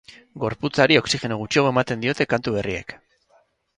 Gorputzari oxigeno gutxiago ematen diote kantu berriek.